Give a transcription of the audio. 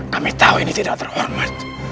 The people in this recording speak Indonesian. kami tahu ini tidak terhormat